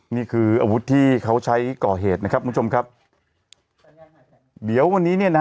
นี่คืออาวุธที่เขาใช้ก่อเหตุนะครับคุณผู้ชมครับเดี๋ยววันนี้เนี่ยนะฮะ